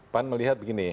pan melihat begini